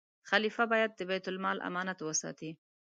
خلیفه باید د بیت المال امانت وساتي.